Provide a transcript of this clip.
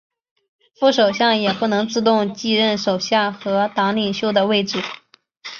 副首相也不能自动继任首相和党领袖的位置。